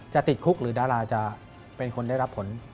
ติดคุกหรือดาราจะเป็นคนได้รับผล